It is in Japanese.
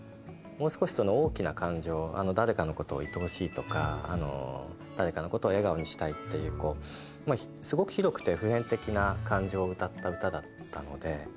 もう少し大きな感情誰かのことをいとおしいとか誰かのことを笑顔にしたいっていうすごく広くて普遍的な感情を歌った歌だったので。